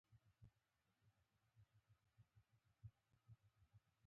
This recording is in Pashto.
هغسې نیستي هیڅکله نه ده.